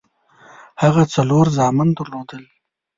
هغه څلور زامن درلودل.